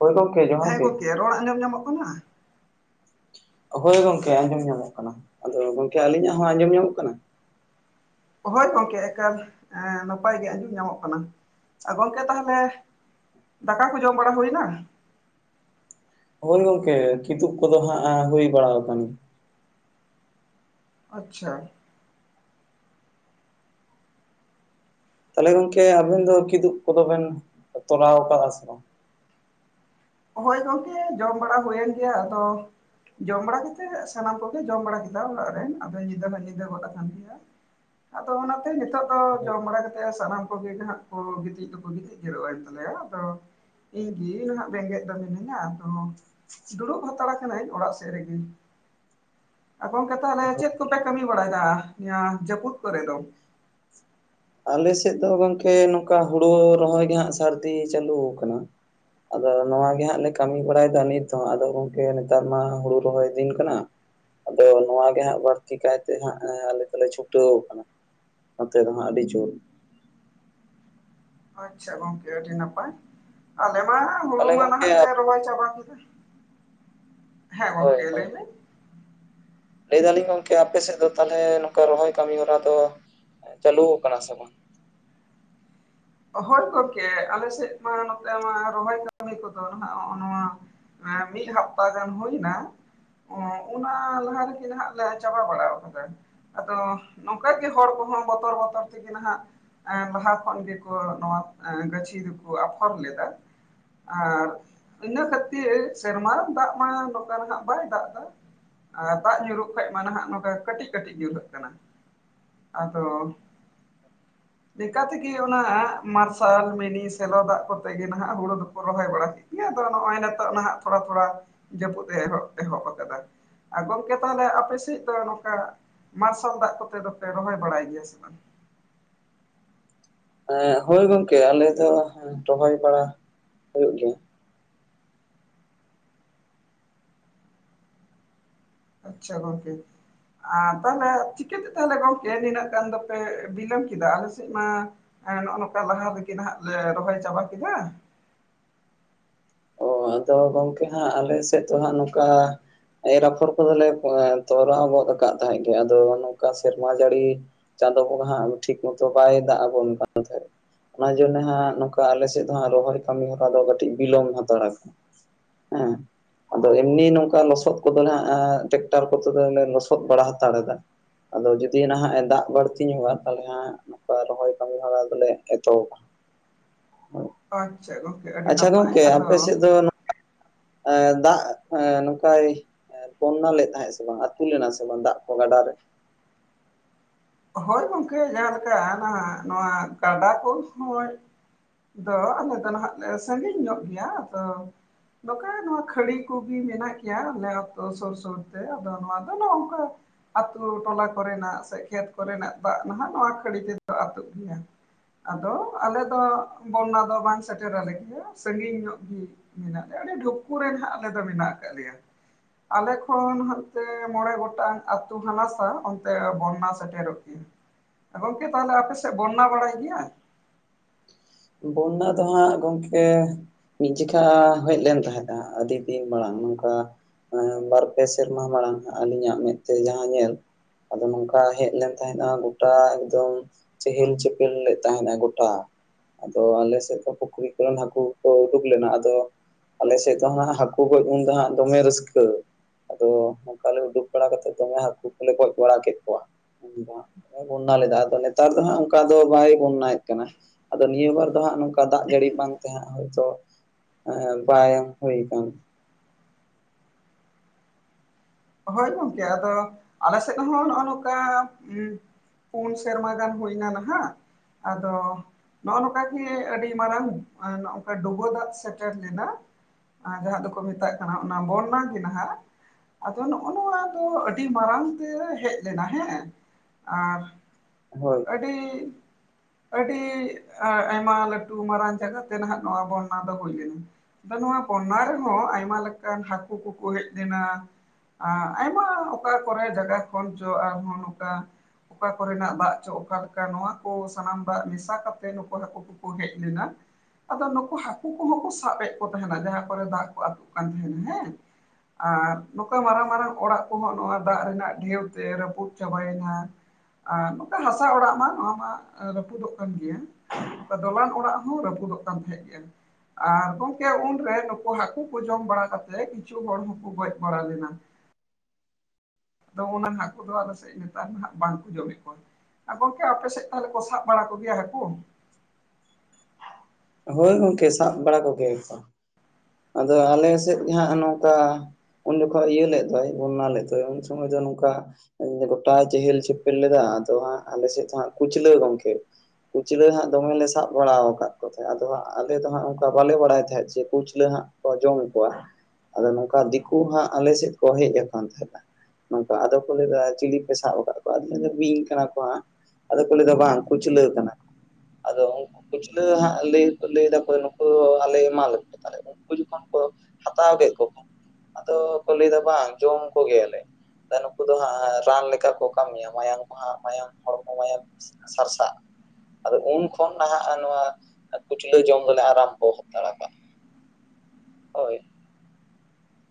ᱦᱳᱭ ᱜᱚᱢᱠᱮ ᱡᱚᱦᱟᱨ ᱦᱮᱸ ᱜᱮ ᱜᱳᱠᱮ ᱨᱚᱲᱟᱜ ᱧᱮᱞ ᱧᱟᱢᱚᱜ ᱠᱟᱱᱟ? ᱦᱳᱭ ᱜᱚᱝᱠᱮ ᱟᱸᱡᱚᱢ ᱧᱟᱢᱚᱜ ᱠᱟᱱᱟ ᱟᱫᱚ ᱜᱚᱝᱠᱮ ᱟᱹᱞᱤᱧᱟᱜ ᱦᱚᱸ ᱟᱸᱡᱚᱢ ᱧᱟᱢᱚᱜ ᱠᱟᱱᱟ? ᱦᱳᱭ ᱜᱚᱝᱠᱮ ᱮᱠᱟᱞ ᱱᱟᱯᱟᱭ ᱜᱮ ᱟᱸᱡᱚᱢ ᱧᱟᱢᱚᱜ ᱠᱟᱱᱟ ᱜᱚᱝᱠᱮ ᱛᱟᱦᱚᱞᱮ ᱫᱟᱠᱟ ᱠᱚ ᱡᱚᱢ ᱵᱟᱲᱟ ᱦᱩᱭᱱᱟ? ᱦᱳᱭ ᱜᱚᱝᱠᱮ ᱠᱤᱫᱩᱵ ᱠᱚ ᱫᱚ ᱦᱟᱸᱜ ᱦᱩᱭ ᱵᱟᱲᱟ ᱟᱠᱟᱱ ᱜᱮᱭᱟ᱾ ᱟᱪᱪᱷᱟ ᱛᱟᱦᱚᱞᱮ ᱜᱚᱝᱠᱮ ᱟᱵᱮᱱ ᱫᱚ ᱠᱤᱫᱩᱵ ᱠᱚ ᱫᱚ ᱵᱮᱱ ᱠᱚᱨᱟᱣ ᱟᱠᱟᱫᱟ ᱥᱮ ᱵᱟᱝ? ᱦᱳᱭ ᱜᱚᱝᱠᱮ ᱡᱚᱢ ᱵᱟᱲᱟ ᱦᱩᱭᱮᱱ ᱜᱮᱭᱟ ᱟᱫᱚ ᱡᱚᱢ ᱵᱟᱲᱟᱛᱮᱫ ᱥᱟᱱᱟᱢ ᱠᱚ ᱜᱮ ᱡᱚᱢ ᱵᱟᱲᱟ ᱠᱮᱫᱟ ᱚᱲᱟᱜ ᱨᱮ ᱟᱫᱚ ᱧᱤᱫᱟᱹ ᱦᱚᱸ ᱧᱤᱫᱟᱹ ᱜᱚᱫ ᱠᱟᱱ ᱜᱮᱭᱟ᱾ ᱟᱫᱚ ᱚᱱᱟᱛᱮ ᱱᱤᱛᱳᱜ ᱫᱚ ᱡᱚᱢ ᱵᱟᱲᱟ ᱠᱟᱛᱮ ᱥᱟᱱᱟᱢ ᱜᱮ ᱱᱟᱦᱟᱜ ᱠᱚ ᱜᱤᱛᱤᱡ ᱫᱚᱠᱚ ᱜᱤᱛᱤᱡ ᱡᱮᱨᱚᱜ ᱮᱱ ᱛᱟᱞᱮᱭᱟ᱾ᱟᱫᱚ ᱤᱧ ᱜᱮᱤ ᱱᱟᱦᱟᱜ ᱵᱮᱸᱜᱮᱫ ᱢᱤᱱᱟᱹᱧᱟ ᱟᱫᱚ ᱫᱩᱲᱩᱵ ᱦᱟᱛᱟᱲ ᱠᱟᱱᱟᱹᱧ ᱚᱲᱟᱜ ᱥᱮᱫ ᱨᱮ ᱜᱮ᱾ ᱟ ᱜᱚᱝᱠᱮ ᱛᱟᱦᱚᱞᱮ ᱪᱮᱫ ᱠᱚᱯᱮ ᱠᱟᱹᱢᱤ ᱵᱟᱲᱟᱭ ᱮᱫᱟ ᱡᱟᱹᱯᱩᱫ ᱠᱚ ᱨᱮ ᱫᱚ? ᱟᱞᱮᱥᱮᱫ ᱫᱚ ᱜᱚᱝᱠᱮ ᱱᱚᱝᱠᱟ ᱦᱩᱲᱩ ᱨᱚᱦᱚᱭ ᱜᱮ ᱦᱟᱜ ᱥᱟᱹᱨᱫᱤ ᱪᱟᱹᱞᱩ ᱟᱠᱟᱱᱟ᱾ ᱟᱫᱚ ᱱᱚᱣᱟ ᱜᱮ ᱦᱟᱸᱜ ᱞᱮ ᱠᱟᱹᱢᱤ ᱵᱟᱲᱟᱭ ᱮᱫᱟ ᱱᱤᱛ ᱦᱚᱸ ᱟᱫᱚ ᱜᱚᱝᱠᱮ ᱱᱮᱛᱟᱨ ᱢᱟ ᱦᱩᱲᱩ ᱨᱚᱦᱚᱭ ᱫᱤᱱ ᱠᱟᱱᱟ᱾ ᱟᱫᱚ ᱱᱚᱣᱟᱜ ᱜᱮ ᱦᱟᱸᱜ ᱵᱟᱹᱲᱛᱤ ᱠᱟᱭᱛᱮ ᱦᱟᱸᱜ ᱟᱞᱮ ᱫᱚᱞᱮ ᱪᱷᱩᱴᱟᱹᱣ ᱠᱟᱱᱟ᱾ ᱱᱚᱛᱮ ᱫᱚ ᱦᱟᱸᱜ ᱟᱹᱰᱤ ᱡᱳᱨ ᱟᱪᱪᱷᱟ ᱜᱚᱝᱠᱮ ᱟᱹᱰᱤ ᱱᱟᱯᱟᱭ ᱟᱞᱮ ᱢᱟ ᱦᱩᱲᱩ ᱛᱟᱦᱚᱞᱮ ᱢᱟ ᱜᱚᱢᱠᱮ ᱱᱟᱦᱟᱜ ᱞᱮ ᱨᱚᱦᱚᱭ ᱪᱟᱵᱟ ᱠᱮᱫᱟ᱾ ᱦᱮᱸ ᱦᱳᱭ ᱜᱚᱢᱠᱮ ᱦᱳᱭ ᱞᱟᱹᱭ ᱢᱮ᱾ ᱞᱟᱹᱭ ᱫᱟᱞᱤᱧ ᱜᱚᱝᱠᱮ ᱟᱯᱮᱥᱮᱫ ᱫᱚ ᱛᱟᱦᱚᱞᱮ ᱱᱚᱝᱠᱟ ᱨᱚᱦᱚᱭ ᱠᱟᱹᱢᱤ ᱦᱚᱨᱟ ᱫᱚ ᱪᱟᱞᱩ ᱟᱠᱟᱱᱟ ᱥᱮ ᱵᱟᱝ? ᱦᱳᱭ ᱜᱚᱝᱠᱮ ᱟᱞᱮ ᱥᱮᱫ ᱢᱟ ᱱᱚᱛᱮ ᱢᱟ ᱨᱚᱦᱚᱭ ᱠᱟᱹᱢᱤ ᱠᱚ ᱫᱚ ᱦᱟᱸᱜ ᱱᱚᱜᱼ ᱱᱚᱣᱟ ᱢᱤᱫ ᱦᱟᱯᱛᱟ ᱜᱟᱱ ᱦᱩᱭ ᱮᱱᱟ᱾ ᱮᱸ ᱚᱱᱟ ᱞᱟᱦᱟ ᱨᱮᱜᱮ ᱧᱟᱦᱟᱜ ᱞᱮ ᱪᱟᱵᱟ ᱵᱟᱲᱟᱣ ᱠᱟᱫᱟ᱾ ᱟᱫᱚ ᱱᱚᱝᱠᱟᱜᱮ ᱦᱚᱲ ᱠᱚᱦᱚᱸ ᱵᱚᱛᱚᱨᱼᱵᱚᱛᱚᱨ ᱛᱮᱜᱮ ᱱᱟᱦᱟᱜ ᱞᱟᱦᱟ ᱠᱷᱚᱱ ᱜᱮ ᱠᱚ ᱱᱚᱣᱟ ᱜᱟᱹᱪᱷᱤ ᱫᱩᱠᱚ ᱟᱯᱷᱚᱨ ᱞᱮᱫᱟ᱾ ᱟᱨ ᱤᱱᱟᱹ ᱠᱷᱟᱹᱛᱤᱨ ᱥᱮᱨᱢᱟ ᱨᱮ ᱫᱟᱜ ᱢᱟ ᱱᱚᱝᱠᱟ ᱨᱮ ᱦᱟᱸᱜ ᱵᱟᱭ ᱫᱟᱜᱫᱟ᱾ ᱟᱨ ᱫᱟᱜ ᱧᱩᱨᱩᱜ ᱠᱷᱟᱡ ᱢᱟ ᱱᱟᱦᱟᱜ ᱱᱚᱰᱮ ᱠᱟᱹᱴᱤᱡ ᱠᱟᱹᱴᱤᱡ ᱧᱩᱨᱦᱟᱹᱜ ᱠᱟᱱᱟ᱾ ᱟᱫᱚ ᱞᱮᱠᱟ ᱛᱤᱜᱤ ᱚᱱᱟ ᱢᱟᱨᱥᱟᱞ ᱢᱤᱱᱤ ᱥᱮᱞᱚ ᱫᱟᱜ ᱠᱚᱛᱮ ᱜᱮ ᱱᱟᱦᱟᱜ ᱦᱩᱲᱩ ᱫᱚᱠᱚ ᱨᱚᱦᱚᱭ ᱵᱟᱲᱟ ᱠᱮᱜ [unintelligible] ᱫᱚ ᱱᱚᱜᱼᱚᱭ ᱱᱮᱛᱚᱜ ᱱᱟᱦᱟᱜ ᱛᱷᱚᱲᱟ ᱛᱷᱚᱲᱟ ᱡᱟᱹᱯᱩᱫ ᱮ ᱮᱦᱚᱵ ᱮᱦᱚᱵ ᱟᱠᱟᱫᱟ᱾ ᱟᱨ ᱜᱚᱝᱠᱮ ᱛᱟᱦᱚᱞᱮ ᱟᱯᱮ ᱥᱮᱡ ᱫᱚ ᱱᱚᱝᱠᱟ ᱢᱟᱨᱥᱟᱞ ᱫᱟᱜ ᱠᱚᱛᱮ ᱫᱚᱯᱮ ᱨᱚᱦᱚᱭ ᱵᱟᱲᱟᱭ ᱜᱮᱭᱟ ᱥᱮ ᱵᱟᱝ? ᱮᱸᱜ ᱦᱳᱭ ᱜᱚᱝᱠᱮ ᱟᱞᱮ ᱫᱚ ᱨᱚᱦᱚᱭ ᱵᱟᱲᱟ ᱦᱩᱭᱩᱜ ᱜᱮᱭᱟ᱾ ᱟᱪᱪᱷᱟ ᱜᱚᱝᱠᱮ᱾ ᱟᱨ ᱛᱟᱦᱞᱮ ᱪᱤᱠᱟᱹᱛᱮ ᱛᱟᱦᱞᱮ ᱜᱚᱢᱠᱮ ᱱᱤᱱᱟᱹᱜ ᱜᱟᱱ ᱫᱚᱯᱮ ᱵᱤᱞᱚᱢ ᱠᱮᱫᱟ ᱟᱞᱮ ᱥᱮᱫ ᱢᱟ ᱮᱸ ᱱᱚᱜᱼᱚ ᱱᱚᱠᱟ ᱞᱟᱦᱟ ᱨᱮᱜᱮ ᱱᱟᱦᱟᱜ ᱞᱮ ᱨᱚᱦᱚᱭ ᱪᱟᱵᱟ ᱠᱮᱫᱟ᱾ ᱦᱳᱭ ᱟᱫᱚ ᱜᱚᱝᱠᱮ ᱦᱟᱸᱜ ᱟᱞᱮ ᱥᱮᱫ ᱫᱚ ᱦᱟᱸᱜ ᱱᱚᱝᱠᱟ ᱮᱨ ᱟᱯᱷᱚᱨ ᱠᱚᱫᱚᱞᱮ ᱛᱚᱨᱟᱣ ᱜᱚᱫ ᱠᱟᱫ ᱛᱟᱦᱮᱸᱫ ᱜᱮ ᱟᱫᱚ ᱱᱚᱝᱠᱟ ᱥᱮᱨᱢᱟ ᱡᱟᱲᱤ ᱪᱟᱸᱫᱚ ᱵᱚᱝᱜᱟ ᱦᱟᱸᱜ ᱴᱷᱤᱠ ᱢᱚᱛᱚ ᱵᱟᱭ ᱫᱟᱜ ᱟᱵᱚᱱ [unintelligible] ᱚᱱᱟ ᱡᱚᱱᱱᱮ ᱦᱟᱸᱜ ᱱᱚᱝᱠᱟ ᱟᱞᱮ ᱥᱮᱫ ᱫᱚ ᱦᱟᱸᱜ ᱨᱚᱦᱚᱭ ᱠᱟᱢᱤ ᱦᱚᱨᱟ ᱫᱚ ᱠᱟᱹᱴᱤᱡ ᱵᱤᱞᱚᱢ ᱦᱟᱛᱟᱲᱟ ᱠᱟᱱᱟ᱾ ᱦᱮᱸ᱾ ᱟᱫᱚ ᱮᱢᱱᱤ ᱱᱚᱝᱠᱟ ᱞᱚᱥᱚᱫ ᱠᱚᱫᱚ ᱞᱮ ᱦᱟᱸᱜ ᱴᱮᱠᱴᱟᱨ ᱠᱚᱛᱮ ᱫᱚᱞᱮ ᱞᱚᱥᱚᱫ ᱵᱟᱲᱟ ᱦᱟᱛᱟᱲ ᱮᱫᱟ᱾ ᱟᱫᱚ ᱡᱩᱫᱤ ᱱᱟᱦᱟᱜ ᱮ ᱫᱟᱜ ᱵᱟᱹᱲᱛᱤ ᱧᱚᱜᱟ ᱛᱟᱦᱚᱞᱮ ᱦᱟᱸᱜ ᱱᱚᱝᱠᱟ ᱨᱚᱦᱚᱭ ᱠᱟᱹᱢᱤ ᱦᱚᱲᱟ ᱫᱚᱞᱮ ᱮᱛᱚᱦᱚᱵᱟ᱾ ᱟᱨ ᱪᱮᱜ ᱠᱚᱼᱼ ᱟᱪᱪᱷᱟ ᱜᱚᱝᱠᱮ ᱟᱯᱮ ᱥᱮᱫ ᱫᱚ [unintelligible] ᱮᱸ ᱫᱟᱜ ᱮᱸ ᱱᱚᱝᱠᱟᱭ ᱵᱚᱱᱱᱟ ᱞᱮᱫ ᱛᱟᱦᱮᱸᱜ ᱥᱮ ᱵᱟᱝ ᱟᱹᱛᱩ ᱞᱮᱱᱟ ᱥᱮ ᱵᱟᱝ ᱫᱟᱜ ᱠᱚ ᱜᱟᱰᱟ ᱨᱮ ᱦᱳᱭ ᱜᱚᱝᱠᱮ ᱡᱟᱦᱟᱸᱞᱮᱠᱟ ᱱᱟᱦᱟᱜ ᱱᱚᱣᱟ ᱜᱟᱰᱟ ᱠᱚ ᱦᱚᱸᱭ ᱫᱚ ᱟᱞᱮ ᱫᱚ ᱱᱟᱦᱟᱜ ᱞᱮ ᱥᱟᱸᱜᱤᱧ ᱧᱚᱜ ᱜᱮᱭᱟ ᱟᱫᱚ ᱱᱚᱠᱟ ᱱᱚᱣᱟ ᱠᱷᱟᱹᱲᱤ ᱠᱚᱜᱮ ᱢᱮᱱᱟᱜ ᱜᱮᱭᱟ ᱟᱞᱮ ᱟᱛᱳ ᱥᱩᱨ ᱥᱩᱨᱛᱮ ᱟᱫᱚ ᱱᱚᱣᱟ ᱫᱚ ᱱᱚᱝᱠᱟ ᱟᱛᱩ ᱴᱚᱞᱟ ᱠᱚᱨᱮᱱᱟᱜ ᱥᱮ ᱠᱷᱮᱛ ᱠᱚᱨᱮᱱᱟᱜ ᱫᱟᱜ ᱱᱟᱦᱟᱜ ᱱᱚᱣᱟ ᱠᱷᱟᱹᱲᱤ ᱛᱮᱫᱚ ᱟᱹᱛᱩᱜ ᱜᱮᱭᱟ ᱟᱫᱚ ᱟᱞᱮᱫᱚ ᱵᱚᱱᱱᱟ ᱫᱚ ᱵᱟᱝ ᱥᱮᱴᱮᱨᱟᱞᱮ ᱜᱮᱭᱟ ᱥᱟᱺᱜᱤᱧ ᱧᱚᱜ ᱜᱤ ᱢᱮᱱᱟᱜ ᱞᱮᱭᱟ ᱟᱰᱤ ᱰᱷᱚᱠᱠᱩ ᱨᱮ ᱦᱟᱸᱜ ᱟᱞᱮ ᱫᱚ ᱢᱮᱱᱟᱜ ᱟᱠᱟᱫ ᱞᱮᱭᱟ ᱟᱞᱮ ᱠᱷᱚᱱ ᱦᱟᱱᱛᱮ ᱢᱚᱬᱮ ᱜᱚᱴᱟᱝ ᱟᱛᱩ ᱦᱟᱱᱟᱥᱟ ᱚᱱᱛᱮ ᱵᱚᱱᱱᱟᱥ ᱥᱮᱴᱮᱨᱚᱜ ᱜᱮᱭᱟ ᱜᱚᱝᱠᱮ ᱛᱟᱦᱚᱞᱮ ᱟᱯᱮᱥᱮᱫ ᱵᱚᱨᱱᱱᱟ ᱵᱟᱲᱟᱭ ᱜᱮᱭᱟᱭ ᱵᱚᱱᱱᱟ ᱫᱚ ᱦᱟᱸᱜ ᱜᱚᱝᱠᱮ ᱢᱤᱫ ᱡᱮᱠᱷᱟ ᱦᱮᱡ ᱞᱮᱱ ᱛᱟᱦᱮᱸᱫᱼᱟ ᱟᱰᱤ ᱫᱤᱱ ᱢᱟᱲᱟᱝ ᱱᱚᱝᱠᱟ ᱵᱟᱨ ᱯᱮ ᱥᱮᱨᱢᱟ ᱢᱟᱲᱟᱝ ᱟᱞᱤᱧᱟᱜ ᱢᱮᱫᱛᱮ ᱡᱟᱦᱟᱸ ᱧᱮᱞ ᱟᱫᱚ ᱱᱚᱝᱠᱟ ᱦᱮᱡ ᱞᱮᱱ ᱛᱟᱦᱮᱸᱫ-ᱟ ᱜᱚᱴᱟ ᱮᱠᱫᱚᱢ ᱪᱮᱦᱮᱞ ᱪᱮᱯᱮᱞ ᱞᱮ ᱛᱟᱦᱮᱱᱟ ᱜᱚᱴᱟ ᱟᱫᱚ ᱟᱞᱮ ᱥᱮᱫ ᱫᱚ ᱯᱩᱠᱷᱨᱤ ᱠᱚᱨᱮᱱ ᱦᱟᱠᱩ ᱠᱚ ᱩᱰᱩᱠ ᱞᱮᱱᱟ ᱟᱫᱚ ᱟᱞᱮᱥᱮᱫ ᱫᱚ ᱦᱟᱸᱜ ᱦᱟᱹᱠᱩ ᱜᱚᱡ ᱩᱱᱫᱚ ᱦᱟᱸᱜ ᱫᱚᱢᱮ ᱨᱟᱹᱥᱠᱟᱹ ᱟᱫᱚ ᱱᱚᱝᱠᱟ ᱞᱮ ᱩᱰᱩᱠ ᱵᱟᱲᱟ ᱠᱟᱛᱮᱫ ᱫᱚᱢᱮ ᱦᱟᱠᱩ ᱠᱚᱞᱮ ᱜᱚᱡ ᱵᱟᱲᱟ ᱠᱮᱫ ᱠᱚᱣᱟ ᱩᱱ ᱫᱚ ᱦᱟᱸᱜ ᱵᱚᱱᱱᱟ ᱞᱮᱫᱟ ᱟᱫᱚ ᱱᱮᱛᱟᱨ ᱫᱚ ᱦᱟᱸᱜ ᱚᱱᱠᱟ ᱫᱚ ᱵᱟᱭ ᱵᱚᱱᱱᱟᱭᱮᱫ ᱠᱟᱱᱟ ᱱᱤᱭᱟᱹ ᱵᱟᱨ ᱫᱚ ᱦᱟᱸᱜ ᱱᱚᱝᱠᱟ ᱫᱟᱜ ᱡᱟᱲᱤ ᱵᱟᱝ ᱛᱟᱦᱮᱸᱜ ᱦᱳᱭᱛᱳ ᱵᱟᱭ ᱦᱩᱭ ᱠᱟᱱ ᱦᱳᱭ ᱜᱚᱢᱠᱮ ᱟᱫᱚ ᱟᱞᱮ ᱥᱮᱫᱦᱚᱸ ᱱᱚᱜᱼᱚ ᱱᱚᱝᱠᱟ ᱯᱩᱱ ᱥᱮᱨᱢᱟ ᱜᱟᱱ ᱦᱩᱭ ᱱᱟ ᱱᱟᱦᱟᱜ ᱟᱫᱚ ᱱᱚᱜ-ᱚ ᱱᱚᱝᱠᱟ ᱜᱤ ᱟᱰᱤ ᱢᱟᱨᱟᱝ ᱱᱚᱝᱠᱟ ᱰᱩᱵᱟᱹ ᱫᱟᱜ ᱥᱮᱴᱮᱨ ᱞᱮᱱᱟ ᱟᱨ ᱡᱟᱦᱟᱸ ᱫᱚᱠᱚ ᱢᱮᱛᱟᱜ ᱠᱟᱱᱟ ᱚᱱᱟ ᱵᱚᱨᱱᱟ ᱜᱤ ᱱᱟᱦᱟᱜ ᱟᱫᱚ ᱱᱚᱜᱼᱚ ᱱᱚᱣᱟ ᱫᱚ ᱟᱹᱰᱤ ᱢᱟᱨᱟᱝ ᱛᱮ ᱦᱮᱡ ᱞᱮᱱᱟ ᱦᱮᱸ ᱟᱨ ᱦᱳᱭ ᱟᱹᱰᱤ ᱟᱹᱰᱤ ᱟᱭᱢᱟ ᱞᱟᱹᱴᱩ ᱢᱟᱨᱟᱝ ᱡᱟᱭᱜᱟ ᱛᱮ ᱱᱟᱦᱟᱜ ᱱᱚᱣᱟ ᱵᱚᱱᱱᱟ ᱫᱚ ᱦᱩᱭ ᱞᱮᱱᱟ ᱟᱫᱚ ᱱᱚᱣᱟ ᱵᱚᱱᱱᱟ ᱨᱮᱦᱚᱸ ᱟᱭᱢᱟ ᱞᱮᱠᱟᱱ ᱦᱟᱠᱩ ᱠᱚᱠᱚ ᱦᱮᱡ ᱞᱮᱱᱟ ᱟ ᱟᱭᱢᱟ ᱚᱠᱟ ᱠᱚᱨᱮ ᱡᱟᱭᱜᱟ ᱠᱷᱚᱱ ᱪᱚ ᱟᱨᱦᱚᱸ ᱱᱚᱝᱠᱟ ᱚᱠᱟ ᱠᱚᱨᱮᱱᱟᱜ ᱫᱟᱜ ᱪᱚ ᱚᱠᱟ ᱞᱮᱠᱟ ᱱᱚᱣᱟ ᱠᱚ ᱥᱟᱱᱟᱢ ᱫᱟᱜ ᱢᱮᱥᱟ ᱠᱟᱛᱮ ᱱᱩᱠᱩ [inaudible] [unintelligible] ᱦᱮᱡ ᱞᱮᱱᱟ ᱟᱫᱚ ᱱᱩᱠᱩ ᱦᱟᱹᱠᱩ ᱠᱚᱦᱚᱸ ᱠᱚ ᱥᱟᱵ ᱮᱫ ᱠᱚ ᱛᱟᱦᱮᱱᱟ ᱡᱟᱦᱟᱸ ᱠᱚᱨᱮ ᱫᱟᱜ ᱠᱚ ᱟᱹᱛᱩᱜ ᱠᱟᱱ ᱛᱟᱦᱮᱸᱱᱟ ᱦᱮᱸ ᱟᱨ ᱱᱚᱝᱠᱟ ᱢᱟᱨᱟᱝ ᱢᱟᱨᱟᱝ ᱚᱲᱟᱜ ᱠᱚᱦᱚᱸ ᱱᱚᱣᱟ ᱫᱟᱜ ᱨᱮᱱᱟᱜ ᱰᱷᱮᱣ ᱛᱮ ᱨᱟᱹᱯᱩᱫ ᱪᱟᱵᱟᱭ ᱮᱱᱟ ᱟᱨ ᱱᱚᱝᱠᱟ ᱦᱟᱥᱟ ᱚᱲᱟᱜ ᱢᱟ ᱱᱚᱣᱟ ᱢᱟ ᱨᱟᱹᱯᱩᱫ ᱚᱜ ᱠᱟᱱ ᱜᱮᱭᱟ [unintelligible] ᱫᱚᱞᱟᱱ ᱚᱲᱟᱜ ᱦᱚᱸ ᱨᱟᱹᱯᱩᱫ ᱚᱜ ᱠᱟᱱ ᱛᱟᱦᱮᱸᱫ ᱜᱮᱭᱟ ᱟᱨ ᱜᱚᱝᱠᱮ ᱩᱱᱨᱮ ᱱᱩᱠᱩ ᱦᱟᱹᱠᱩ [unintelligible] ᱡᱚᱢ ᱵᱟᱲᱟ ᱠᱟᱛᱮ ᱠᱤᱪᱷᱩ ᱦᱚᱲ ᱦᱚᱸᱠᱚ ᱜᱚᱡ ᱵᱲᱟ ᱞᱮᱱᱟ ᱟᱫᱚ ᱚᱱᱟ ᱦᱟᱹᱠᱩ ᱫᱚ ᱟᱞᱮ ᱥᱮᱫ ᱱᱮᱛᱟᱨ ᱫᱚ ᱱᱷᱟᱜ ᱵᱟᱝ ᱠᱚ ᱡᱚᱢ ᱮᱫ ᱠᱚᱣᱟ [unintelligible] ᱜᱚᱝᱠᱮ ᱟᱯᱮ ᱥᱮᱫ ᱛᱟᱦᱞᱮ ᱠᱚ ᱥᱟᱵ ᱵᱟᱲᱟ ᱠᱚᱜᱮᱭᱟ ᱦᱟᱹᱠᱩ ᱦᱳᱭ ᱜᱚᱝᱠᱮ ᱥᱟᱵ ᱵᱟᱲᱟ ᱠᱚᱜᱮ ᱭᱟᱠᱚ ᱟᱫᱚ ᱟᱞᱮ ᱥᱮᱫ ᱜᱮ ᱦᱟᱸᱜ ᱱᱚᱝᱠᱟ ᱩᱱ ᱡᱚᱠᱷᱚᱡ ᱤᱭᱟᱹ ᱞᱮᱫ ᱫᱚᱭ ᱵᱚᱨᱱᱟ ᱞᱮᱫ ᱫᱚᱭ ᱩᱱ ᱥᱚᱢᱳᱭ ᱫᱚ ᱱᱚᱝᱠᱟ ᱜᱚᱴᱟᱭ ᱡᱮᱦᱮᱞ ᱪᱮᱯᱮᱞ ᱞᱮᱫᱟ ᱟᱫᱚ ᱦᱟᱸᱜ ᱟᱞᱮ ᱥᱮᱫ ᱫᱚ ᱦᱟᱸᱜ ᱠᱩᱪᱞᱟᱹ ᱜᱚᱝᱠᱮ ᱠᱩᱪᱞᱟᱹ ᱦᱟᱸᱜ ᱫᱚᱢᱮ ᱞᱮ ᱥᱟᱵ ᱵᱟᱲᱟ ᱟᱠᱟᱫ ᱠᱚ ᱛᱟᱦᱮᱸᱫ ᱟᱫᱚ ᱦᱟᱸᱜ ᱟᱞᱮ ᱫᱚ ᱦᱟᱸᱜ ᱚᱱᱠᱟ ᱵᱟᱞᱮ ᱵᱟᱲᱟᱭ ᱛᱟᱦᱮᱸᱫ ᱡᱮ ᱠᱩᱪ [unintelligible] ᱦᱟᱸᱜ ᱠᱚ ᱡᱚᱢ ᱠᱚᱣᱟ ᱟᱫᱚ ᱱᱚᱝᱠᱟ ᱫᱤᱠᱩ ᱦᱟᱸᱜ ᱟᱞᱮ ᱥᱮᱫ ᱠᱚ ᱦᱮᱡ ᱟᱠᱟᱱ ᱛᱟᱦᱮᱸᱫᱼᱟ ᱱᱚᱝᱠᱟ ᱟᱫᱚ ᱠᱚ ᱞᱟᱹᱭ ᱫᱟ ᱪᱤᱞᱤ ᱯᱮ ᱥᱟᱵ ᱟᱠᱟᱫ ᱠᱚᱣᱟ ᱟᱫᱚᱧ ᱞᱟᱹᱭ ᱫᱟ ᱵᱤᱧ ᱠᱟᱱᱟ ᱠᱚ ᱦᱟᱸᱜ ᱟᱫᱚ ᱠᱚ ᱞᱟᱹᱭ ᱫᱟ ᱵᱟᱝ ᱠᱩᱪᱞᱟᱹ ᱠᱟᱱᱟ ᱟᱫᱚ ᱩᱱᱠᱩ ᱠᱩᱪᱞᱟᱹ ᱦᱟᱸᱜ ᱞᱟᱹᱭ ᱞᱟᱹᱭ ᱫᱟᱠᱚ ᱱᱩᱠᱩ ᱟᱞᱮ ᱮᱢᱟ ᱞᱮᱯᱮ ᱛᱟᱦᱞᱮ ᱩᱱᱠᱩ ᱡᱚᱠᱷᱚᱱ ᱠᱚ ᱦᱟᱛᱟᱣ ᱠᱮᱫ ᱠᱚ [unintelligible] ᱟᱫᱚ ᱠᱚ ᱞᱟᱹᱭ ᱫᱟ ᱵᱟᱝ ᱡᱚᱢ ᱠᱚᱜᱮ ᱟᱞᱮ [unintelligible] ᱱᱩᱠᱩ ᱫᱚ ᱦᱟᱸᱜ ᱨᱟᱱ ᱞᱮᱠᱟ ᱠᱚ ᱠᱟᱹᱢᱤ ᱭᱟ ᱢᱟᱭᱟᱢ ᱠᱚ ᱦᱟᱸᱜ ᱢᱟᱭᱟᱢ ᱦᱚᱲ [inaudible] ᱥᱟᱨᱥᱟᱜ ᱟᱫᱚ ᱩᱱ ᱠᱷᱚᱱ ᱱᱟᱦᱟᱜ ᱱᱚᱣᱟ ᱠᱩᱪᱞᱟᱹ ᱡᱚᱢ ᱫᱚᱞᱮ ᱟᱨᱟᱢᱵᱚ ᱦᱟᱛᱟᱲ ᱠᱟᱜᱼᱟ ᱦᱳᱭ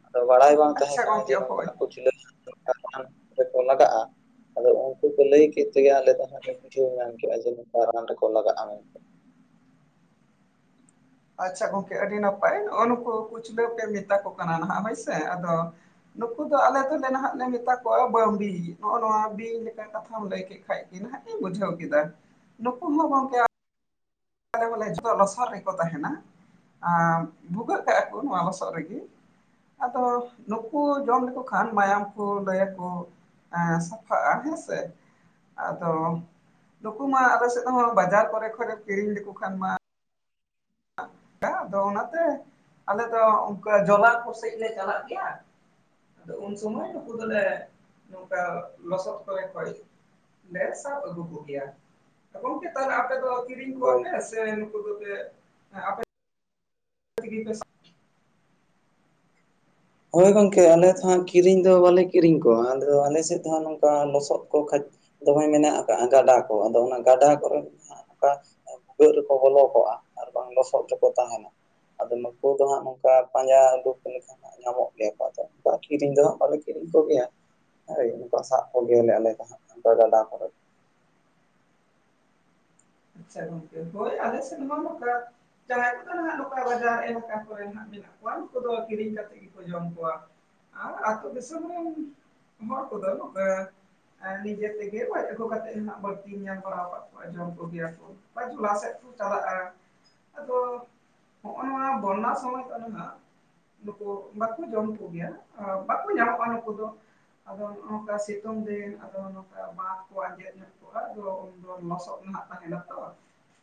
ᱟᱫᱚ ᱵᱟᱲᱟᱭ ᱵᱟᱝ ᱛᱟᱦᱮᱸ ᱟᱪᱪᱷᱟ ᱠᱟᱱᱟ ᱡᱮ ᱜᱚᱝᱠᱮ ᱱᱚᱝᱠᱟ ᱦᱳᱭ ᱠᱩᱪᱞᱟᱹ ᱨᱮᱠᱚ ᱞᱟᱜᱟᱜᱼᱟ ᱛᱚ ᱩᱱᱠᱩ ᱠᱚ ᱞᱟᱹᱭ ᱠᱮᱫ ᱛᱮᱜᱮ ᱟᱞᱮ ᱫᱚ ᱦᱟᱸᱜ ᱞᱮ ᱵᱩᱪᱷᱟᱹᱣ ᱢᱮᱱ ᱠᱮᱫᱼᱟ ᱡᱮ ᱱᱚᱝᱠᱟ ᱨᱟᱱ ᱨᱮᱠᱚ ᱞᱟᱜᱟᱜᱼᱟ ᱢᱮᱱᱛᱮ ᱟᱪᱪᱷᱟ ᱜᱚᱝᱠᱮ ᱟᱹᱰᱤ ᱱᱟᱯᱟᱭ ᱱᱚᱜᱼᱚ ᱱᱩᱠᱩ ᱠᱩᱪᱞᱟᱹ ᱯᱮ ᱢᱮᱛᱟ ᱠᱚ ᱠᱟᱱᱟ ᱱᱟᱦᱟᱜ ᱦᱳᱭ ᱥᱮ ᱟᱫᱚ ᱱᱩᱠᱩ ᱫᱚ ᱟᱞᱮ ᱫᱚᱞᱮ ᱱᱟᱦᱟᱜ ᱞᱮ ᱢᱮᱛᱟ ᱠᱚᱣᱟ ᱵᱟᱺᱵᱤ ᱱᱚᱜᱼᱚ ᱱᱚᱣᱟ ᱵᱤᱧ ᱞᱮᱠᱟ ᱠᱟᱛᱷᱟᱢ ᱞᱟᱹᱭ ᱠᱮᱫ ᱠᱷᱟᱡ ᱜᱮ ᱱᱟᱜ ᱤᱧ ᱵᱩᱡᱷᱟᱹᱣ ᱠᱮᱫᱟ ᱱᱩᱠᱩ ᱦᱚᱸ ᱜᱚᱝᱠᱮ ᱟᱞᱮ ᱫᱚᱞᱮ ᱡᱷᱚᱛᱚ ᱞᱚᱥᱚᱫ ᱨᱮᱠᱚ ᱛᱟᱦᱮᱱᱟ ᱟ ᱵᱷᱩᱜᱟᱹᱜ ᱠᱟᱜ ᱟᱠᱚ ᱱᱚᱣᱟ ᱞᱚᱥᱚᱫ ᱨᱮᱜᱮ ᱟᱫᱚ ᱱᱩᱠᱩ ᱡᱚᱢ ᱞᱮᱠᱚ ᱠᱷᱟᱱ ᱢᱟᱭᱟᱢ ᱠᱚ ᱞᱟᱹᱭ ᱟᱠᱩ ᱟ ᱥᱚᱯᱷᱟᱜᱼᱟ ᱦᱮᱸ ᱥᱮ ᱟᱫᱚ ᱱᱩᱠᱩ ᱢᱟ ᱟᱞᱮ ᱥᱮᱫ ᱦᱚᱸ ᱵᱟᱡᱟᱨ ᱠᱚᱨᱮ ᱠᱷᱟᱡ ᱞᱮ ᱠᱤᱨᱤᱧ ᱞᱮᱠᱚ ᱠᱷᱟᱱ ᱢᱟ ᱟᱫᱚ ᱚᱱᱟ ᱛᱮ ᱟᱞᱮ ᱫᱚ ᱚᱱᱠᱟ ᱡᱚᱞᱟᱯᱩᱨ ᱥᱮᱫ ᱞᱮ ᱪᱟᱞᱟᱜ ᱜᱮᱭᱟ ᱟᱫᱚ ᱩᱱ ᱥᱚᱢᱚᱭ ᱱᱩᱠᱩ ᱫᱚᱞᱮ ᱱᱚᱝᱠᱟ ᱞᱚᱥᱚᱫ ᱠᱚᱨᱮ ᱠᱷᱚᱡ ᱞᱮ ᱥᱟᱵ ᱟᱹᱜᱩ ᱠᱚᱜᱮᱭᱟ ᱜᱚᱝᱠᱮ ᱛᱟᱦᱚᱞᱮ ᱟᱯᱮ ᱫᱚ ᱠᱤᱨᱤᱧ ᱠᱚᱣᱟ ᱦᱳᱭ ᱯᱮ ᱥᱮ ᱱᱩᱠᱩ ᱫᱚᱯᱮ [inaudible] [unintelligible] ᱦᱳᱭ ᱜᱚᱝᱠᱮ ᱟᱞᱮ ᱫᱚᱦᱟᱸᱜ ᱠᱤᱨᱤᱧ ᱫᱚ ᱵᱟᱞᱮ ᱠᱤᱨᱤᱧ ᱠᱚᱣᱟ ᱟᱞᱮ ᱫᱚ ᱟᱞᱮ ᱥᱮᱫ ᱫᱚᱦᱟᱸᱜ ᱱᱚᱝᱠᱟ ᱞᱚᱥᱚᱫ ᱠᱚ ᱠᱷᱟᱡ ᱫᱚᱢᱮ ᱢᱮᱱᱟᱜ ᱟᱠᱟᱜᱼᱟ ᱜᱟᱰᱟ ᱠᱚ ᱟᱫᱚ ᱚᱱᱟ ᱜᱟᱰᱟ ᱠᱚᱨᱮ [inaudible] ᱵᱷᱩᱜᱟᱹᱜ ᱨᱮᱠᱚ ᱵᱚᱞᱚ ᱠᱚᱜᱼᱟ ᱟᱨ ᱵᱟᱝ ᱞᱚᱥᱚᱫ ᱨᱮᱠᱚ ᱛᱟᱦᱮᱱᱟ ᱟᱫᱚ ᱱᱩᱠᱩ ᱫᱚ ᱦᱟᱸᱜ ᱱᱚᱱᱠᱟ ᱯᱟᱸᱡᱟ ᱩᱰᱩᱜ ᱞᱮᱠᱷᱟᱱ ᱦᱟᱸᱜ ᱧᱟᱢᱚᱜ ᱜᱮᱭᱟ ᱠᱚ ᱟᱫᱚ [unintelligible] ᱠᱤᱨᱤᱧ ᱫᱚ ᱦᱟᱸᱜ ᱵᱟᱞᱮ ᱠᱤᱨᱤᱧ ᱠᱚᱜᱮᱭᱟ ᱦᱳᱭ ᱚᱱᱠᱟ ᱥᱟᱵ ᱠᱚᱜᱮᱭᱟᱞᱮ ᱟᱞᱮ ᱫᱚ ᱛᱚ ᱜᱟᱰᱟ ᱠᱚᱨᱮ ᱟᱪᱪᱷᱟ ᱜᱚᱝᱠᱮ ᱟᱞᱮ ᱥᱮᱫ ᱢᱟ ᱱᱚᱜᱠᱟ ᱡᱟᱦᱟᱸᱭ ᱠᱚᱫᱚ ᱦᱟᱸᱜ ᱞᱳᱠᱟᱞ ᱵᱟᱡᱟᱨ ᱮᱦᱚᱵ ᱠᱟᱛᱮᱜ ᱢᱮᱱᱟᱜ ᱱᱚᱣᱟ ᱠᱚᱫᱚ ᱠᱤᱨᱤᱧ ᱠᱟᱛᱮᱫ ᱜᱮᱠᱚ ᱡᱚᱢ ᱠᱚᱣᱟ ᱟᱨ ᱟᱹᱛᱩ ᱫᱤᱥᱚᱢ ᱨᱮᱱ ᱦᱚᱲ ᱠᱚᱫᱚ ᱱᱚᱛᱮ ᱱᱤᱡᱮ ᱛᱮᱜᱮ ᱜᱚᱡ ᱟᱹᱜᱩ ᱠᱟᱛᱮᱫ ᱦᱟᱜ ᱵᱟᱹᱲᱛᱤᱧ ᱧᱟᱢ ᱵᱟᱲᱟ ᱟᱠᱟᱫ ᱠᱚᱣᱟᱸ ᱡᱚᱢ ᱠᱚᱜᱮᱭᱟ ᱞᱟᱦᱟ ᱥᱮᱫ ᱠᱚ ᱪᱟᱞᱟᱜᱼᱟ ᱟᱫᱚ ᱱᱚᱜᱼᱚ ᱱᱚᱣᱟ ᱵᱚᱨᱱᱱᱟ ᱥᱚᱢᱚᱭ ᱨᱮᱱᱟᱜ ᱱᱩᱠᱩ ᱵᱟᱠᱚ ᱡᱚᱢ ᱠᱚᱜᱮᱭᱟ ᱵᱟᱠᱚ ᱧᱟᱢᱚᱜᱼᱟ ᱱᱩᱠᱩ ᱫᱚ ᱟᱫᱚ ᱱᱚᱜ ᱱᱚᱝᱠᱟ ᱥᱤᱛᱩᱝ ᱫᱤᱱ ᱟᱫᱚ ᱱᱚᱝᱠᱟ ᱵᱟᱸᱫ ᱠᱚ ᱟᱡᱮᱫᱼ ᱟᱫᱚ ᱩᱱ ᱫᱚ ᱞᱚᱥᱚᱫ ᱱᱟᱦᱟᱜ ᱛᱟᱦᱮᱱᱟ ᱛᱚ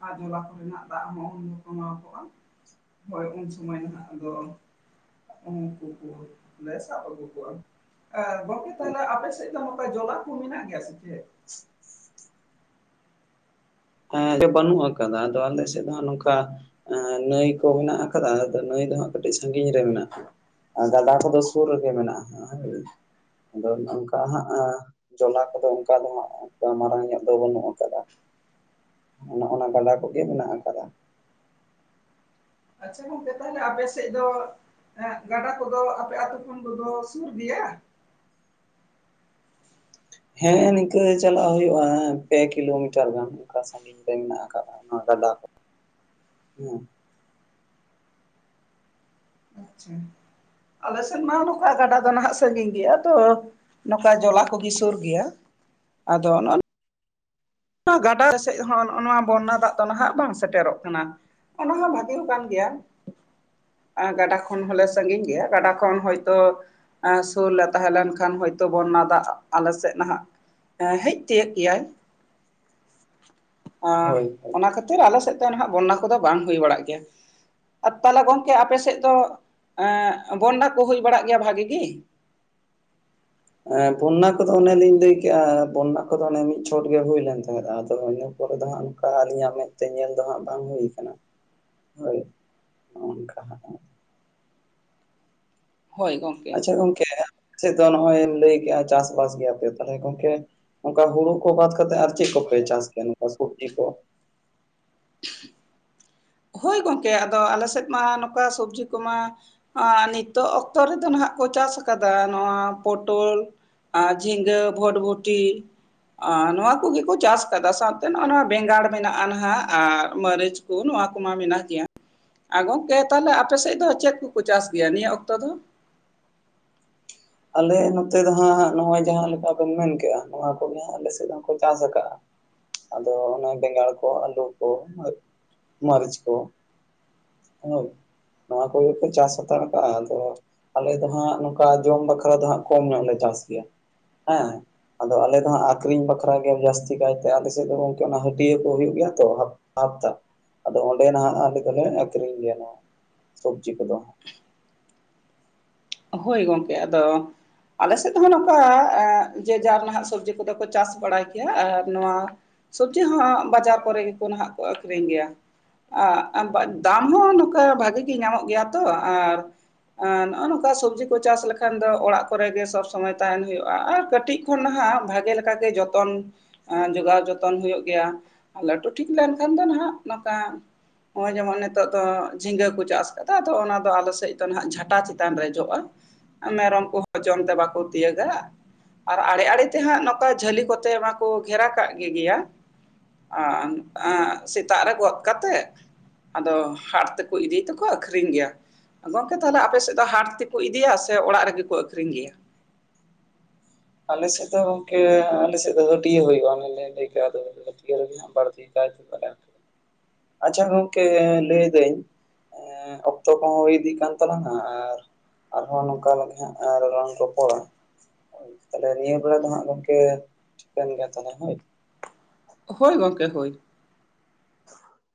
ᱟᱨ ᱡᱚᱞᱟ ᱠᱚᱨᱮᱱᱟᱜ ᱫᱟᱜ ᱦᱚᱸ ᱩᱱ ᱫᱚ ᱥᱟᱵᱟᱶ ᱠᱚᱜᱼᱟ ᱦᱳᱭ ᱩᱱ ᱥᱚᱢᱚᱭ ᱱᱟᱜ ᱟᱫᱚ ᱩᱝᱠᱩ ᱥᱟᱜ [inaudible] ᱮ ᱜᱚᱝᱠᱮ ᱛᱟᱦᱚᱞᱮ ᱟᱯᱮ ᱥᱮᱫ ᱫᱚ ᱱᱚᱝᱠᱟ ᱡᱚᱞᱟ ᱠᱚ ᱢᱮᱱᱟᱜ ᱜᱮᱭᱟ ᱥᱮ ᱪᱮᱫ [inaudible] ᱵᱟᱹᱱᱩᱜ ᱟᱠᱟᱫᱟ ᱟᱫᱚ ᱟᱞᱮ ᱥᱮᱫ ᱦᱚᱸ ᱱᱚᱝᱠᱟ ᱱᱟᱹᱭ ᱠᱚ ᱢᱮᱱᱟᱜ ᱟᱠᱟᱫᱟ ᱟᱫᱚ ᱱᱟᱹᱭ ᱫᱚᱦᱟᱸᱜ ᱠᱟᱹᱴᱤᱡ ᱥᱟᱺᱜᱤᱧ ᱨᱮ ᱢᱮᱱᱟᱜ ᱜᱟᱰᱟ ᱠᱚᱫᱚ ᱥᱩᱨ ᱨᱮᱜᱮ ᱢᱮᱱᱟᱜᱼᱟ ᱦᱮᱸ ᱟᱫᱚ ᱱᱚᱝᱠᱟ ᱦᱟᱸᱜ ᱡᱚᱞᱟ ᱠᱚᱫᱚ ᱚᱱᱠᱟ ᱫᱚ ᱦᱟᱜ ᱢᱟᱨᱟᱝ ᱧᱚᱜ ᱫᱚ ᱵᱟᱹᱱᱩᱜ ᱟᱠᱟᱫᱟ ᱱᱚᱜᱼ ᱱᱟ ᱜᱟᱰᱟ ᱠᱚᱜᱮ ᱢᱮᱱᱟᱜ ᱟᱠᱟᱫᱟ ᱟᱪᱪᱷᱟ ᱜᱚᱝᱠᱮ ᱛᱟᱦᱚᱞᱮ ᱟᱯᱮ ᱥᱮᱫ ᱫᱚ ᱜᱟᱰᱟ ᱠᱚᱫᱚ ᱟᱯᱮ ᱟᱛᱳ ᱠᱷᱚᱱ ᱠᱚᱫᱚ ᱥᱩᱨ ᱜᱮᱭᱟ ᱦᱮᱸ ᱱᱤᱝᱠᱟᱹ ᱪᱟᱞᱟᱜ ᱦᱩᱭᱩᱜᱼᱟ ᱯᱮ ᱠᱤᱞᱳᱢᱤᱴᱟᱨ ᱜᱟᱱ ᱚᱱᱠᱟ ᱥᱟᱜᱤᱧ ᱢᱮᱱᱟᱜ ᱟᱠᱟᱫᱟ ᱱᱚᱣᱟ ᱜᱟᱰᱟ ᱠᱚ ᱦᱮᱸ ᱟᱞᱮ ᱥᱮᱫ ᱢᱟ ᱱᱚᱝᱠᱟ ᱜᱟᱰᱟ ᱫᱚ ᱱᱟᱦᱟᱜ ᱥᱟᱜᱤᱧ ᱜᱮᱭᱟ ᱛᱚ ᱱᱚᱝᱠᱟ ᱡᱚᱞᱟ ᱠᱚᱜᱮ ᱥᱩᱨ ᱜᱮᱭᱟ ᱟᱫᱚ ᱱᱚᱣᱟ ᱜᱟᱰᱟ ᱥᱮᱫ ᱦᱚᱸ ᱱᱚᱜ ᱱᱚᱣᱟ ᱵᱚᱱᱱᱟ ᱫᱟᱜ ᱫᱚ ᱱᱟᱦᱟᱜ ᱵᱟᱝ ᱥᱮᱴᱮᱨᱚᱜ ᱠᱟᱱᱟ ᱚᱱᱟ ᱦᱚᱸ ᱵᱷᱟᱜᱤ ᱠᱟᱱ ᱜᱮᱭᱟ ᱟᱨ ᱜᱟᱰᱟ ᱠᱷᱚᱱ ᱦᱚᱞᱮ ᱥᱟᱺᱜᱤᱧ ᱜᱮᱭᱟ ᱜᱟᱰᱟ ᱠᱷᱚᱱ ᱦᱚᱭᱛᱳ ᱥᱩᱨ ᱞᱮ ᱛᱟᱦᱮᱸ ᱞᱮᱱᱠᱷᱟᱱ ᱦᱚᱭᱛᱳ ᱵᱚᱱᱱᱟ ᱫᱟᱜ ᱟᱞᱮ ᱥᱮᱫ ᱱᱟᱦᱟᱜ ᱦᱮᱡ ᱛᱤᱭᱳᱜ ᱠᱮᱭᱟᱭ ᱮ ᱦᱳᱭ ᱦᱳᱭ ᱚᱱᱟ ᱠᱷᱟᱹᱛᱤᱨ ᱟᱞᱮ ᱥᱮᱫ ᱫᱚ ᱦᱟᱜ ᱵᱚᱱᱱᱟ ᱠᱚᱫᱚ ᱵᱟᱝ ᱦᱩᱭ ᱵᱟᱲᱟᱜ ᱜᱮᱭᱟ᱾ ᱟᱨ ᱛᱟᱦᱚᱞᱮ ᱜᱚᱝᱠᱮ ᱟᱯᱮᱥᱮᱫ ᱫᱚ ᱵᱚᱱᱰᱟ ᱠᱚ ᱦᱩᱭ ᱵᱟᱲᱟᱜ ᱜᱮᱭᱟ ᱵᱷᱟᱜᱤ ᱜᱤ? ᱦᱮᱸ ᱵᱚᱱᱱᱟ ᱠᱚᱫᱚ ᱚᱱᱮᱞᱤᱧ ᱞᱟᱹᱭ ᱠᱮᱫᱮᱜᱼᱟ ᱵᱚᱱᱱᱟ ᱠᱚᱫᱚ ᱚᱱᱮ ᱢᱤᱫ ᱪᱷᱚᱴ ᱜᱮ ᱦᱩᱭ ᱞᱮᱱ ᱛᱟᱦᱮᱸᱫ ᱟᱫᱚ ᱛᱟᱨᱯᱚᱨᱮ ᱫᱚ ᱦᱟᱸᱜ ᱚᱱᱠᱟ ᱟᱹᱞᱤᱧᱟᱜ ᱢᱮᱫ ᱛᱮ ᱧᱮᱞ ᱫᱚ ᱦᱟᱸᱜ ᱵᱟᱝ ᱦᱩᱭ ᱟᱠᱟᱱᱟ᱾ ᱦᱳᱭ ᱱᱚᱜᱠᱟ ᱦᱟᱸᱜ ᱦᱳᱭ ᱜᱚᱝ ᱟᱪᱪᱷᱟ ᱜᱚᱝᱠᱮ ᱟᱯᱮᱥᱮᱫ ᱫᱚ ᱱᱚᱜᱼᱚᱭ ᱞᱟᱹᱭ ᱠᱮᱜᱼᱟ ᱪᱟᱥᱵᱟᱥ ᱜᱮᱭᱟ ᱟᱯᱮ ᱛᱟᱦᱚᱞᱮ ᱜᱚᱢᱠᱮ ᱚᱝᱠᱟ ᱦᱩᱲᱩ ᱠᱚ ᱵᱟᱫ ᱠᱟᱛᱮᱫ ᱟᱨ ᱪᱮᱫ ᱠᱚᱯᱮ ᱪᱟᱥ ᱠᱮᱭᱟ ᱱᱚᱠᱟ ᱥᱚᱵᱡᱤ ᱠᱚ [unintelligible] ᱦᱳᱭ ᱜᱚᱢᱠᱮ ᱟᱫᱚ ᱟᱞᱮ ᱥᱮᱫ ᱢᱟ ᱱᱚᱝᱠᱟ ᱥᱚᱵᱡᱤ ᱠᱚᱢᱟ ᱟᱨ ᱱᱤᱛᱚᱜ ᱚᱠᱛᱚ ᱨᱮᱫᱚ ᱱᱟᱦᱟᱜ ᱠᱚ ᱪᱟᱥ ᱟᱠᱟᱫᱟ ᱱᱚᱣᱟ ᱯᱚᱴᱚᱞ ᱟᱨ ᱡᱷᱤᱸᱜᱟᱹ ᱵᱷᱚᱴᱵᱷᱚᱴᱴᱤ ᱱᱚᱣᱟ ᱠᱚᱜᱮ ᱠᱚ ᱪᱟᱥ ᱟᱠᱟᱫᱟ ᱥᱟᱶᱛᱮ ᱱᱚᱜᱼᱚᱭ ᱱᱚᱣᱟ ᱵᱮᱸᱜᱟᱲ ᱢᱮᱱᱟᱜᱼᱟ ᱱᱟᱦᱟᱜ ᱟᱨ ᱢᱟᱹᱨᱤᱪ ᱠᱚ ᱱᱚᱣᱟ ᱠᱚ ᱠᱚᱢᱟ ᱢᱮᱱᱟᱜ ᱜᱮᱭᱟ ᱟᱨ ᱜᱚᱝᱠᱮ ᱛᱟᱦᱚᱞᱮ ᱟᱯᱮ ᱥᱮᱫ ᱫᱚ ᱪᱮᱫ ᱠᱚᱠᱚ ᱪᱟᱥ ᱜᱮᱭᱟ ᱱᱤᱭᱟᱹ ᱚᱠᱛᱚ ᱫᱚ? ᱟᱞᱮ ᱱᱚᱛᱮ ᱫᱚ ᱦᱟᱸᱜ ᱱᱚᱜᱼᱚᱭ ᱡᱟᱦᱟᱸ ᱞᱮᱠᱟ ᱵᱮᱱ ᱢᱮᱱᱠᱮᱜᱼᱟ ᱱᱚᱣᱟ ᱠᱚᱜᱮ ᱦᱟᱸᱜ ᱟᱞᱮ ᱥᱮᱫ ᱦᱚᱸᱠᱚ ᱪᱟᱥ ᱟᱠᱟᱜᱼᱟ ᱟᱫᱚ ᱚᱱᱮ ᱵᱮᱸᱜᱟᱲ ᱠᱚ ᱟᱹᱞᱩ ᱠᱚ ᱢᱟᱹᱨᱤᱪ ᱠᱚ [unintelligible] ᱱᱚᱣᱟ ᱠᱚᱜᱮ ᱠᱚ ᱪᱟᱥ ᱦᱟᱛᱟᱲ ᱟᱠᱟᱫᱟ ᱟᱫᱚ ᱟᱞᱮ ᱫᱚ ᱦᱟᱸᱜ ᱱᱚᱝᱠᱟ ᱡᱚᱢ ᱵᱟᱠᱷᱨᱟ ᱟᱞᱮ ᱫᱚ ᱦᱟᱜ ᱠᱚᱢ ᱧᱚᱜ ᱞᱮ ᱪᱟᱥ ᱜᱮᱭᱟ ᱦᱮᱸ ᱟᱫᱚ ᱟᱞᱮ ᱫᱚ ᱦᱟᱸᱜ ᱟᱠᱷᱨᱤᱧ ᱵᱟᱠᱷᱨᱟ ᱜᱮ ᱡᱟᱹᱥᱛᱤ ᱠᱟᱭᱛᱮ ᱟᱞᱮ ᱥᱮᱫ ᱫᱚ ᱜᱚᱝᱠᱮ ᱚᱱᱟ ᱦᱟᱹᱴᱭᱟᱹ ᱠᱚ ᱦᱩᱭᱩᱜ ᱜᱮᱭᱟ ᱛᱚ [unintelligible] ᱟᱫᱚ ᱚᱸᱰᱮ ᱱᱟᱦᱟᱜ ᱟᱞᱮ ᱫᱚᱞᱮ ᱟᱠᱠᱷᱨᱤᱧ ᱜᱮᱭᱟ ᱱᱚᱣᱟ ᱥᱚᱵᱽᱡᱤ ᱠᱚᱫᱚ ᱦᱳᱭ ᱜᱚᱢᱠᱮ ᱟᱫᱚ, ᱟᱞᱮ ᱥᱮᱫ ᱦᱚᱸ ᱱᱚᱝᱠᱟ ᱮᱸᱜ ᱡᱮ ᱡᱟᱨ ᱱᱟᱦᱟᱜ ᱥᱚᱵᱡᱤ ᱠᱚᱫᱚ ᱠᱚ ᱪᱟᱥ ᱵᱟᱲᱟᱭ ᱜᱮᱭᱟᱟᱨ ᱱᱚᱣᱟ, ᱥᱚᱵᱡᱤ ᱦᱚᱸ ᱵᱟᱡᱟᱨ ᱠᱚᱨᱮ ᱜᱮᱠᱚ ᱱᱟᱦᱟᱜ ᱠᱚ ᱟᱠᱷᱨᱤᱧ ᱜᱮᱭᱟ᱾ ᱫᱟᱢ ᱦᱚᱸ ᱱᱚᱝᱠᱟ ᱵᱷᱟᱜᱤ ᱜᱮ ᱧᱟᱢᱚᱜ ᱜᱮᱭᱟ ᱛᱚ ᱟᱨ, ᱟᱨ [unintelligible] ᱱᱚᱜᱚᱭ ᱱᱚᱝᱠᱟ, ᱚᱠᱟ ᱥᱚᱵᱽᱡᱤ ᱠᱚ ᱪᱟᱥ ᱞᱮᱠᱷᱟᱱ ᱫᱚ ᱚᱲᱟᱜ ᱠᱚᱨᱮ ᱜᱮ ᱥᱚᱵᱽ ᱥᱚᱢᱚᱭ ᱛᱟᱦᱮᱱ ᱦᱩᱭᱩᱜᱼᱟ, ᱟᱨ ᱠᱟᱹᱴᱤᱡ ᱠᱷᱚᱱ ᱱᱟᱦᱟᱜ ᱵᱷᱟᱜᱮ ᱞᱮᱠᱟ ᱜᱮ ᱡᱚᱛᱚ ᱡᱚᱛᱚᱱ ᱡᱚᱜᱟᱣ ᱡᱚᱛᱚᱱ ᱦᱩᱭᱩᱜ ᱜᱮᱭᱟ᱾ ᱞᱟᱹᱴᱩ ᱴᱷᱤᱠ ᱞᱮᱱᱠᱷᱟᱱ ᱫᱚ ᱱᱟᱦᱟᱜ ᱱᱚᱝᱠᱟ, ᱱᱚᱜ ᱚᱭ ᱡᱮᱢᱚᱱ ᱱᱤᱛᱚᱜ ᱫᱚ ᱡᱷᱤᱸᱜᱟᱹ ᱠᱚ ᱪᱟᱥ ᱠᱟᱫᱟ ᱛᱚ ᱚᱱᱟ ᱫᱚ ᱟᱞᱮ ᱥᱮᱫ ᱫᱚ ᱱᱟᱦᱟᱜ ᱡᱷᱟᱴᱟ ᱪᱮᱛᱟᱱ, ᱪᱮᱛᱟᱱ ᱨᱮ ᱡᱚᱜᱼᱟ ᱢᱮᱨᱚᱢ ᱠᱚᱦᱚᱸ ᱡᱚᱢ ᱛᱮ ᱵᱟᱠᱚ ᱛᱤᱭᱟᱹᱜᱟ᱾ ᱟᱨ ᱟᱲᱮ ᱟᱲᱮᱛᱮ ᱦᱟᱸᱜ ᱱᱚᱝᱠᱟ ᱡᱷᱟᱹᱞᱤ ᱠᱚᱛᱮ ᱢᱟᱠᱚ ᱜᱷᱮᱨᱟ ᱠᱟᱜ ᱜᱮ ᱜᱮᱭᱟ ᱟᱨ ᱥᱮᱛᱟᱜ ᱨᱮ ᱜᱚᱫ ᱠᱟᱛᱮᱜ, ᱟᱫᱚ ᱦᱟᱴ ᱛᱮᱠᱚ ᱤᱫᱤᱭ ᱛᱮᱠᱚ ᱟᱠᱷᱨᱤᱧ ᱜᱮᱭᱟ᱾ ᱜᱚᱝᱠᱮ ᱛᱟᱦᱚᱞᱮ ᱟᱯᱮ ᱥᱮᱫ ᱫᱚ, ᱦᱟᱴ ᱛᱮᱠᱚ ᱤᱫᱤᱭᱟ ᱥᱮ ᱚᱲᱟᱜ ᱨᱮᱜᱮ ᱠᱚ ᱟᱠᱷᱨᱤᱧ ᱜᱮᱭᱟ? ᱟᱞᱮᱥᱮᱫ ᱫᱚ ᱜᱚᱝᱠᱮ ᱟᱞᱮᱥᱮᱫ ᱫᱚ ᱦᱟᱹᱴᱤᱭᱟᱹ ᱦᱩᱭᱩᱜᱼᱟ ᱚᱱᱮᱞᱮ ᱞᱟᱹᱭ ᱠᱟᱜ ᱫᱚ ᱦᱟᱹᱴᱭᱟᱹ ᱨᱮᱜᱮ, ᱵᱟᱹᱲᱛᱤ [unintelligible] ᱠᱟᱭᱛᱮ, ᱟᱪᱪᱷᱟ ᱜᱚᱝᱠᱮ ᱞᱟᱹᱭᱫᱟᱹᱧ, ᱚᱠᱛᱚ ᱠᱚᱦᱚᱸ ᱦᱩᱭ ᱤᱫᱤᱜ ᱠᱟᱱ ᱛᱟᱞᱟᱝᱟ ᱟᱨ, ᱟᱨᱦᱚᱸ ᱱᱚᱝᱠᱟ [unintelligible] ᱨᱟᱱ ᱨᱚᱯᱚᱲᱟ, ᱛᱟᱦᱞᱮ ᱱᱤᱭᱟᱹ ᱵᱮᱲᱟ ᱫᱚ ᱦᱟᱸᱜ ᱜᱚᱝᱠᱮ ᱴᱷᱤᱠᱟᱹᱱ ᱜᱮᱭᱟ ᱛᱟᱦᱞᱮ ᱦᱳᱭ᱾ ᱦᱳᱭ ᱜᱚᱝᱠᱮ ᱦᱳᱭ᱾ [inaudible]